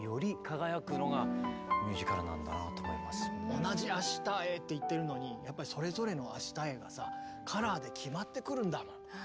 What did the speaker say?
同じ「明日へ」って言ってるのにやっぱりそれぞれの「明日へ」がさカラーで決まってくるんだもん。